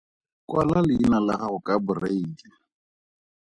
Kwala leina la gago ka Boreile.